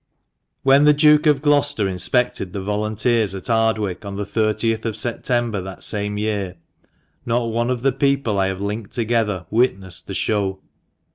When the Duke of Gloucester inspected the volunteers at Ardwick on the 3Oth of September that same year, not one of the people I have linked together witnessed the show.